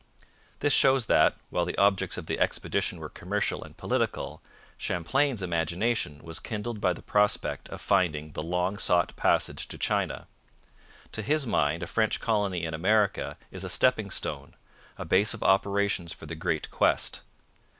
This shows that, while the objects of the expedition were commercial and political, Champlain's imagination was kindled by the prospect of finding the long sought passage to China. To his mind a French colony in America is a stepping stone, a base of operations for the great quest.